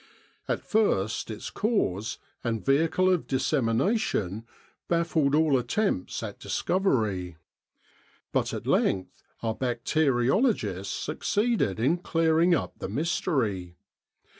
At first its cause, and vehicle of dissemination, baffled all attempts at discovery. But at length our bacteriologists succeeded in clearing up the mystery.